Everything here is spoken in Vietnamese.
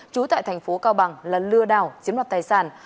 trú tại thành phố cao bằng là lừa đảo chiếm đoạt tài sản